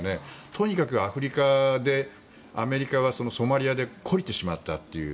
とにかくアフリカでアメリカはソマリアで懲りてしまったという。